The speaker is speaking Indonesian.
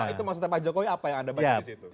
itu maksudnya pak jokowi apa yang anda baca disitu